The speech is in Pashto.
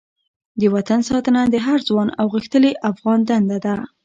د وطن ساتنه د هر ځوان او غښتلې افغان دنده ده.